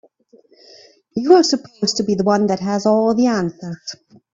You're supposed to be the one that has all the answers.